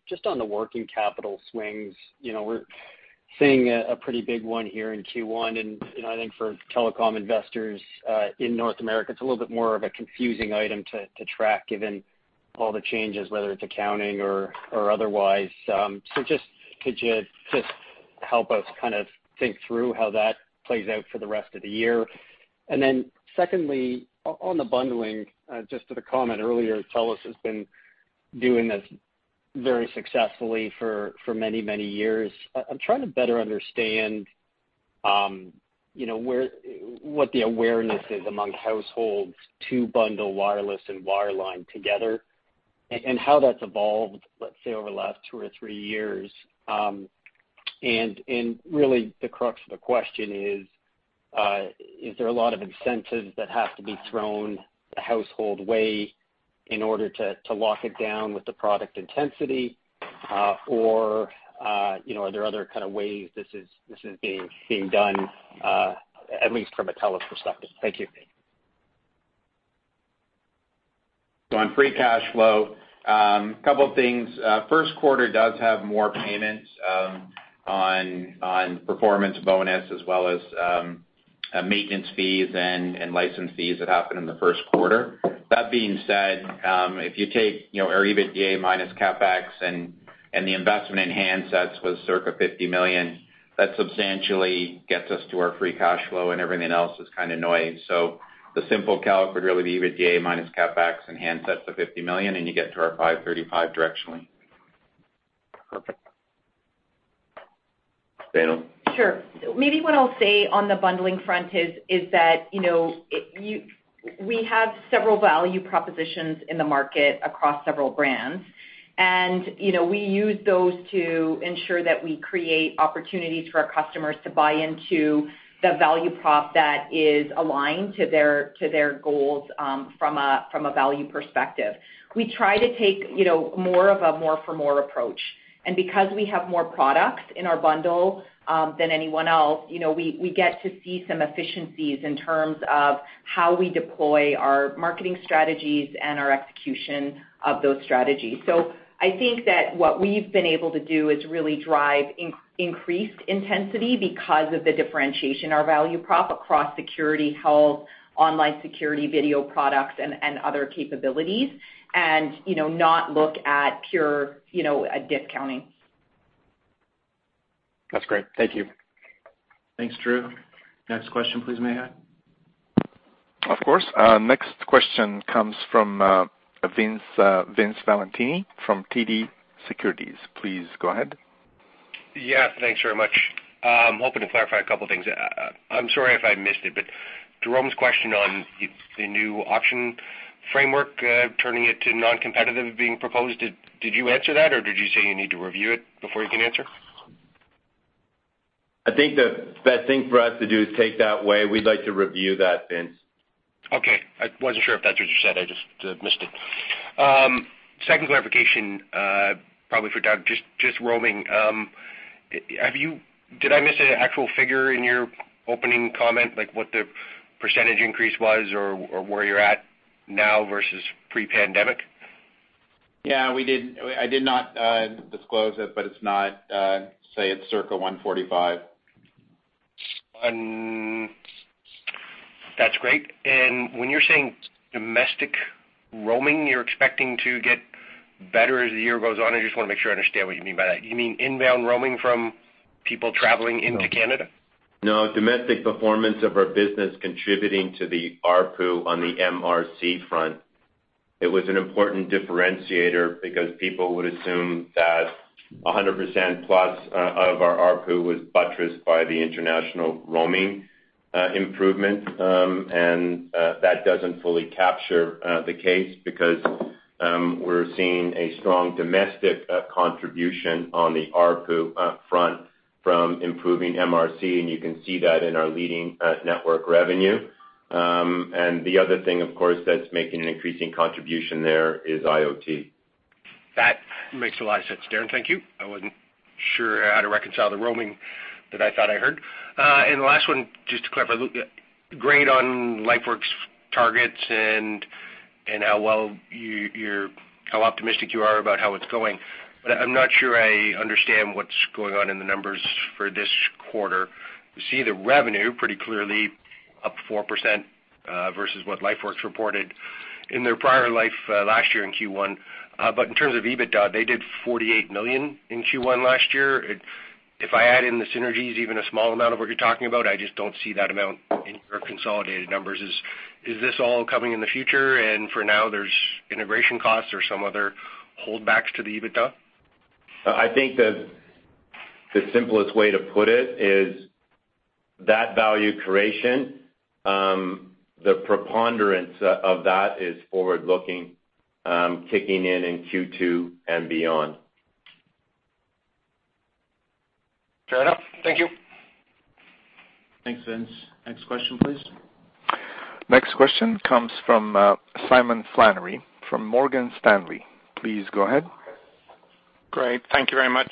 just on the working capital swings, you know, we're seeing a pretty big one here in Q1, and, you know, I think for telecom investors in North America, it's a little bit more of a confusing item to track given all the changes, whether it's accounting or otherwise. So, could you just help us kind of think through how that plays out for the rest of the year? Secondly, on the bundling, just to the comment earlier, TELUS has been doing this very successfully for many years. I'm trying to better understand, you know, what the awareness is among households to bundle wireless and wireline together and how that's evolved, let's say, over the last two or three years. Really the crux of the question, is there a lot of incentives that have to be thrown the household way in order to lock it down with the product intensity? Or, you know, are there other kind of ways this is being done, at least from a TELUS perspective? Thank you. On free cash flow, couple things. First quarter does have more payments on performance bonus as well as maintenance fees and license fees that happen in the first quarter. That being said, if you take, you know, our EBITDA minus CapEx and the investment in handsets was circa 50 million, that substantially gets us to our free cash flow, and everything else is kinda noise. The simple calc would really be EBITDA minus CapEx and handsets of 50 million, and you get to our 535 million directionally. Perfect. Zainul? Sure. Maybe what I'll say on the bundling front is that, you know, we have several value propositions in the market across several brands. You know, we use those to ensure that we create opportunities for our customers to buy into the value prop that is aligned to their goals from a value perspective. We try to take, you know, more for more approach. Because we have more products in our bundle than anyone else, you know, we get to see some efficiencies in terms of how we deploy our marketing strategies and our execution of those strategies. I think that what we've been able to do is really drive increased intensity because of the differentiation our value prop across security, health, online security, video products, and other capabilities, and you know, not look at pure, you know, discounting. That's great. Thank you. Thanks, Drew. Next question, please, Mihai. Of course. Next question comes from Vince Valentini from TD Securities. Please go ahead. Yeah, thanks very much. Hoping to clarify a couple things. I'm sorry if I missed it, but Jerome's question on the new option framework, turning it to non-competitive being proposed, did you answer that or did you say you need to review it before you can answer? I think the best thing for us to do is take that away. We'd like to review that, Vince. Okay. I wasn't sure if that's what you said. I just missed it. Second clarification, probably for Doug, just roaming. Did I miss an actual figure in your opening comment, like what the percentage increase was or where you're at now versus pre-pandemic? Yeah, we did. I did not disclose it, but it's not, say, it's circa 145. That's great. When you're saying domestic roaming, you're expecting to get better as the year goes on? I just wanna make sure I understand what you mean by that. You mean inbound roaming from people traveling into Canada? No. Domestic performance of our business contributing to the ARPU on the MRC front. It was an important differentiator because people would assume that 100% plus of our ARPU was buttressed by the international roaming improvement. That doesn't fully capture the case because we're seeing a strong domestic contribution on the ARPU up front from improving MRC, and you can see that in our leading network revenue. The other thing, of course, that's making an increasing contribution there is IoT. That makes a lot of sense, Darren. Thank you. I wasn't sure how to reconcile the roaming that I thought I heard. The last one, just to clarify. Great on LifeWorks targets and how optimistic you are about how it's going. I'm not sure I understand what's going on in the numbers for this quarter. You see the revenue pretty clearly up 4% versus what LifeWorks reported in their prior life last year in Q1. In terms of EBITDA, they did 48 million in Q1 last year. If I add in the synergies, even a small amount of what you're talking about, I just don't see that amount in your consolidated numbers. Is this all coming in the future? For now, there's integration costs or some other holdbacks to the EBITDA? I think the simplest way to put it is that value creation, the preponderance of that is forward-looking, kicking in in Q2 and beyond. Fair enough. Thank you. Thanks, Vince. Next question, please. Next question comes from, Simon Flannery from Morgan Stanley. Please go ahead. Great. Thank you very much.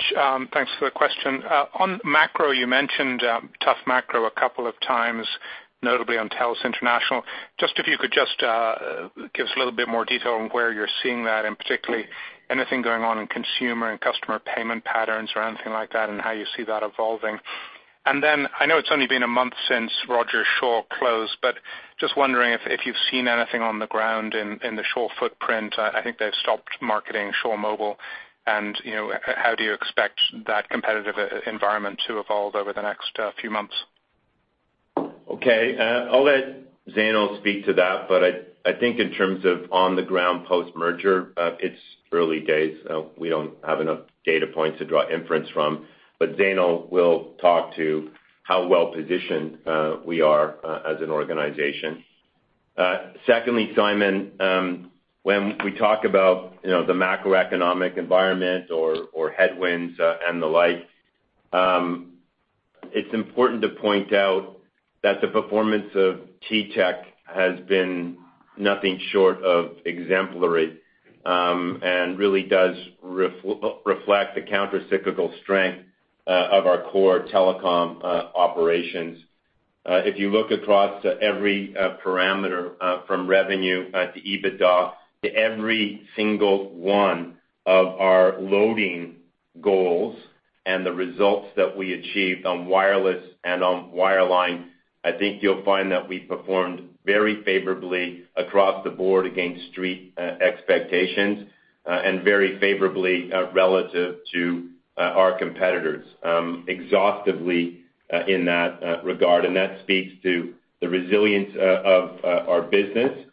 Thanks for the question. On macro, you mentioned, tough macro a couple of times, notably on TELUS International. Just if you could give us a little bit more detail on where you're seeing that, and particularly anything going on in consumer and customer payment patterns or anything like that, and how you see that evolving. I know it's only been a month since Rogers Shaw closed, but just wondering if you've seen anything on the ground in the Shaw footprint. I think they've stopped marketing Shaw Mobile. You know, how do you expect that competitive environment to evolve over the next few months? Okay. I'll let Zainul speak to that. I think in terms of on-the-ground post-merger, it's early days. We don't have enough data points to draw inference from, but Zainul will talk to how well positioned we are as an organization. Secondly, Simon, when we talk about, you know, the macroeconomic environment or headwinds and the like, it's important to point out that the performance of T-Tech has been nothing short of exemplary and really does reflect the countercyclical strength of our core telecom operations. If you look across every parameter from revenue to EBITDA to every single one of our loading goals and the results that we achieved on wireless and on wireline, I think you'll find that we performed very favorably across the board against Street expectations and very favorably relative to our competitors exhaustively in that regard. That speaks to the resilience of our business,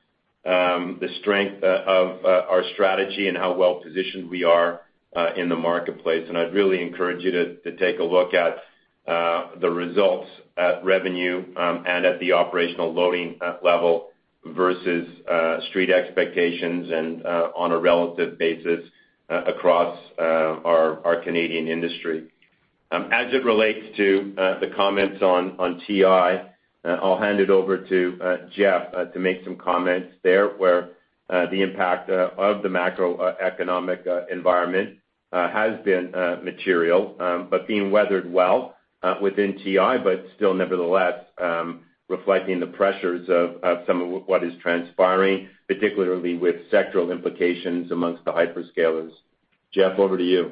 the strength of our strategy, and how well positioned we are in the marketplace. I'd really encourage you to take a look at the results at revenue and at the operational loading level versus Street expectations and on a relative basis across our Canadian industry. As it relates to the comments on TI, I'll hand it over to Jeff to make some comments there, where the impact of the macroeconomic environment has been material, but being weathered well within TI, but still nevertheless reflecting the pressures of some of what is transpiring, particularly with sectoral implications amongst the hyperscalers. Jeff, over to you.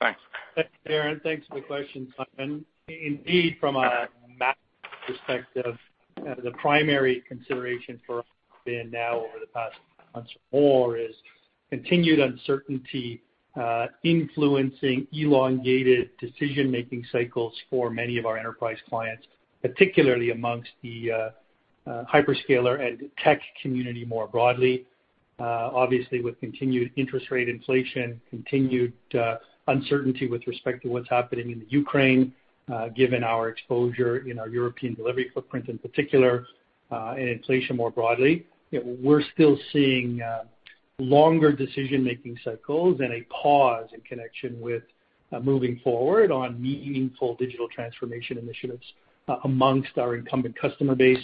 Thanks. Thanks, Darren. Thanks for the question, Simon. Indeed, from a macro perspective, the primary consideration for us has been now over the past months or more is continued uncertainty, influencing elongated decision-making cycles for many of our enterprise clients, particularly amongst the hyperscaler and tech community more broadly. Obviously, with continued interest rate inflation, continued uncertainty with respect to what's happening in the Ukraine, given our exposure in our European delivery footprint in particular, and inflation more broadly, you know, we're still seeing longer decision-making cycles and a pause in connection with moving forward on meaningful digital transformation initiatives amongst our incumbent customer base.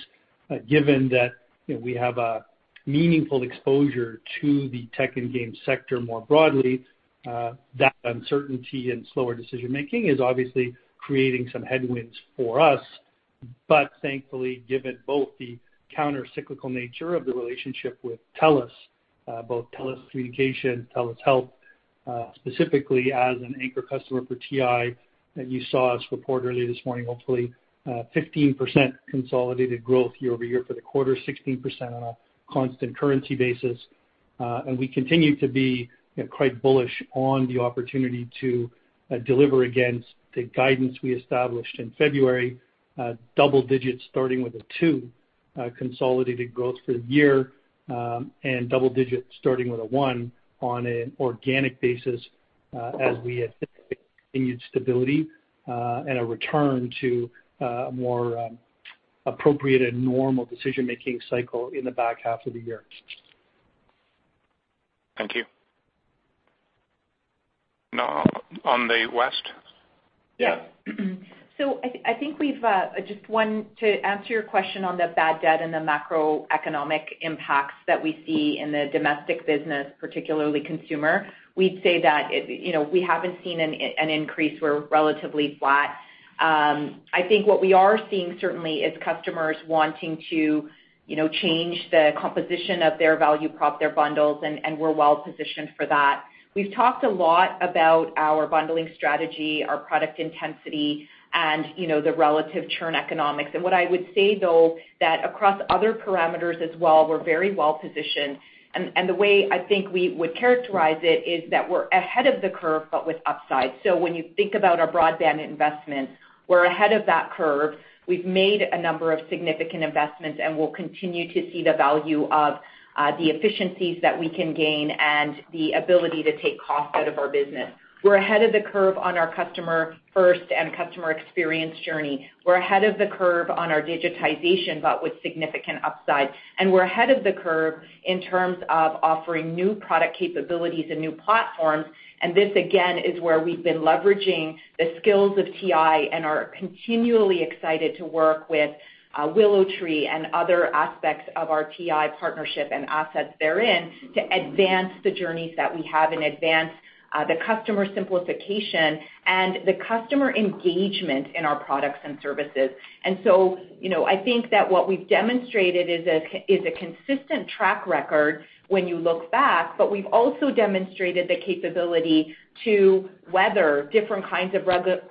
Given that, you know, we have a meaningful exposure to the tech and game sector more broadly, that uncertainty and slower decision-making is obviously creating some headwinds for us. Thankfully, given both the countercyclical nature of the relationship with TELUS, both TELUS Communications, TELUS Health, specifically as an anchor customer for TI that you saw us report earlier this morning, hopefully, 15% consolidated growth year-over-year for the quarter, 16% on a constant currency basis. We continue to be quite bullish on the opportunity to deliver against the guidance we established in February, double digits starting with a two, consolidated growth for the year, and double digits starting with a one on an organic basis, as we anticipate continued stability and a return to a more appropriate and normal decision-making cycle in the back half of the year. Thank you. Now on the west? I think we've to answer your question on the bad debt and the macroeconomic impacts that we see in the domestic business, particularly consumer, we'd say that, you know, we haven't seen an increase. We're relatively flat. I think what we are seeing certainly is customers wanting to, you know, change the composition of their value prop, their bundles, and we're well-positioned for that. We've talked a lot about our bundling strategy, our product intensity, and, you know, the relative churn economics. What I would say, though, that across other parameters as well, we're very well-positioned. The way I think we would characterize it is that we're ahead of the curve, but with upside. When you think about our broadband investment, we're ahead of that curve. We've made a number of significant investments, and we'll continue to see the value of the efficiencies that we can gain and the ability to take cost out of our business. We're ahead of the curve on our customer first and customer experience journey. We're ahead of the curve on our digitization, but with significant upside. We're ahead of the curve in terms of offering new product capabilities and new platforms, and this again is where we've been leveraging the skills of TI and are continually excited to work with WillowTree and other aspects of our TI partnership and assets therein to advance the journeys that we have and advance the customer simplification and the customer engagement in our products and services. You know, I think that what we've demonstrated is a consistent track record when you look back, but we've also demonstrated the capability to weather different kinds of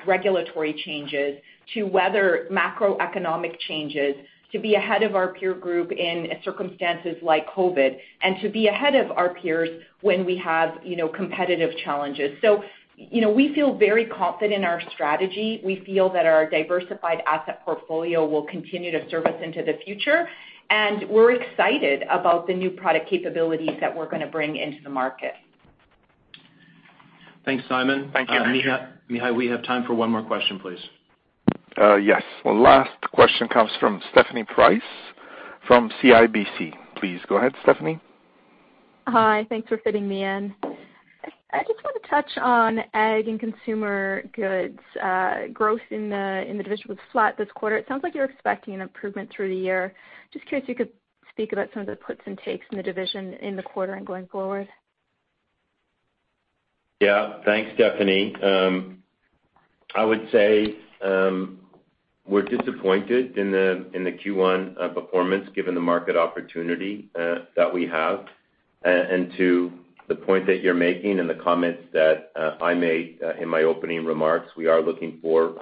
regulatory changes, to weather macroeconomic changes, to be ahead of our peer group in circumstances like COVID, and to be ahead of our peers when we have, you know, competitive challenges. You know, we feel very confident in our strategy. We feel that our diversified asset portfolio will continue to serve us into the future, and we're excited about the new product capabilities that we're gonna bring into the market. Thanks, Simon. Thank you. Mihai, we have time for one more question, please. Yes. Well, last question comes from Stephanie Price from CIBC. Please go ahead, Stephanie. Hi. Thanks for fitting me in. I just want to touch on Agriculture & Consumer Goods growth in the division with flat this quarter. It sounds like you're expecting an improvement through the year. Just curious if you could speak about some of the puts and takes in the division in the quarter and going forward. Yeah. Thanks, Stephanie. I would say we're disappointed in the Q1 performance given the market opportunity that we have. To the point that you're making and the comments that I made in my opening remarks, we are looking for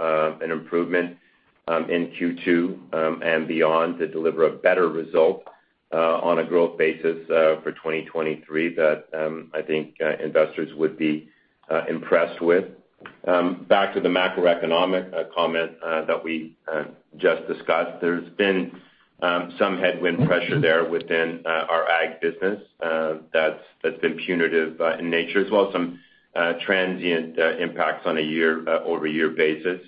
an improvement in Q2 and beyond to deliver a better result on a growth basis for 2023 that I think investors would be impressed with. Back to the macroeconomic comment that we just discussed. There's been some headwind pressure there within our Ag business that's been punitive in nature, as well as some transient impacts on a year-over-year basis.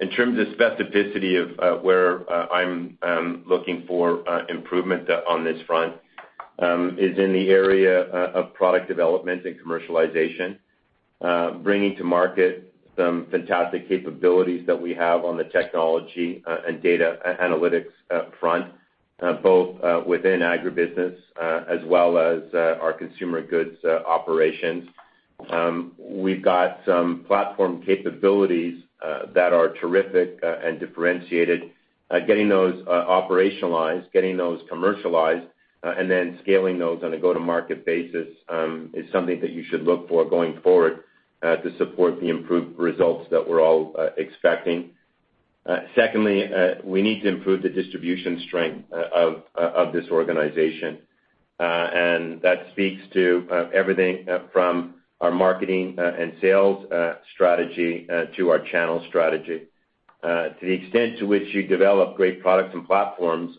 In terms of specificity of where I'm looking for improvement on this front, it is in the area of product development and commercialization, bringing to market some fantastic capabilities that we have on the technology and data analytics front, both within agribusiness as well as our consumer goods operations. We've got some platform capabilities that are terrific and differentiated. Getting those operationalized, getting those commercialized, and then scaling those on a go-to-market basis is something that you should look for going forward to support the improved results that we're all expecting. Secondly, we need to improve the distribution strength of this organization, and that speaks to everything from our marketing and sales strategy to our channel strategy. To the extent to which you develop great products and platforms,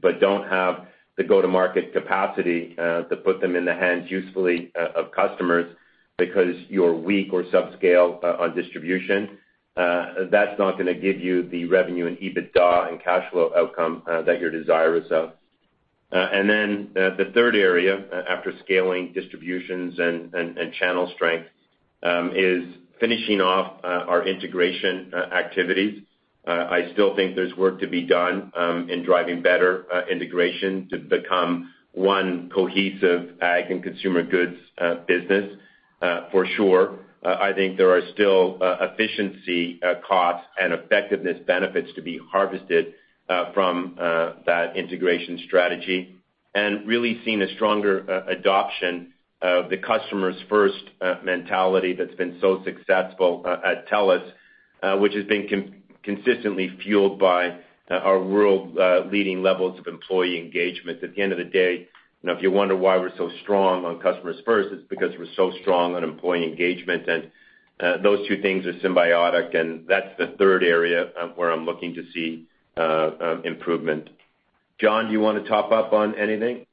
but don't have the go-to-market capacity, to put them in the hands usefully of customers because you're weak or subscale on distribution, that's not gonna give you the revenue and EBITDA and cash flow outcome, that you're desirous of. The third area after scaling distributions and channel strength, is finishing off, our integration activities. I still think there's work to be done, in driving better, integration to become one cohesive Agriculture and Consumer Goods business, for sure. I think there are still, efficiency costs and effectiveness benefits to be harvested, from, that integration strategy. Really seen a stronger adoption of the customers first mentality that's been so successful at TELUS, which has been consistently fueled by our world leading levels of employee engagement. At the end of the day, you know, if you wonder why we're so strong on customers first, it's because we're so strong on employee engagement. Those two things are symbiotic, and that's the third area where I'm looking to see improvement. John, do you wanna top up on anything?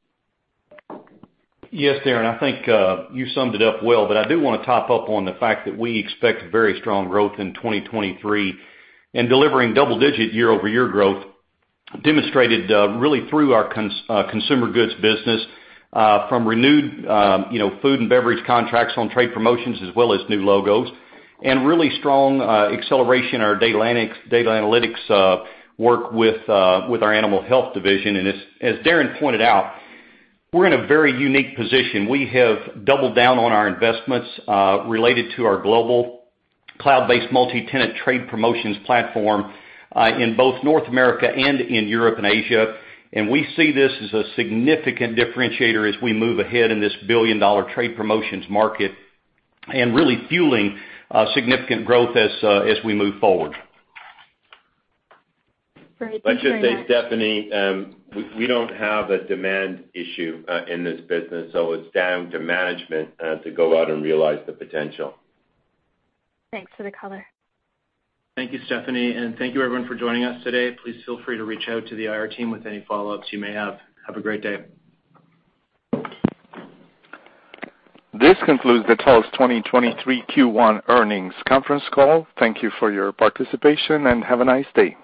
Yes, Darren, I think you summed it up well, but I do wanna touch on the fact that we expect very strong growth in 2023 and delivering double-digit year-over-year growth demonstrated really through our consumer goods business from renewed, you know, food and beverage contracts on trade promotions as well as new logos, and really strong acceleration in our data analytics work with our animal health division. As Darren pointed out, we're in a very unique position. We have doubled down on our investments related to our global cloud-based multi-tenant trade promotions platform in both North America and in Europe and Asia. We see this as a significant differentiator as we move ahead in this billion-dollar trade promotions market and really fueling significant growth as we move forward. Great. Thank you very much. I should say, Stephanie, we don't have a demand issue in this business, so it's down to management to go out and realize the potential. Thanks for the color. Thank you, Stephanie, and thank you everyone for joining us today. Please feel free to reach out to the IR team with any follow-ups you may have. Have a great day. This concludes the TELUS 2023 Q1 Earnings Conference Call. Thank you for your participation, and have a nice day.